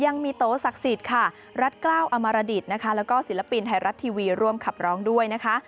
ยังมีโตศักดิ์สิทธิ์ค่ะรัฐกล้าวอมรดิตนะคะแล้วก็ศิลปินไทยรัฐทีวีร่วมขับร้องด้วยนะคะ